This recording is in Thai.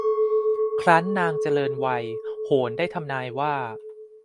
ครั้นนางเจริญวัยโหรได้ทำนายว่า